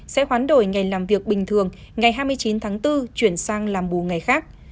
sẽ hoán đổi ngày làm việc bình thường ngày hai mươi chín tháng bốn chuyển sang làm bù ngày khác